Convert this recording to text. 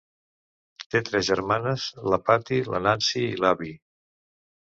Té tres germanes, la Patty, la Nancy i l"Abby.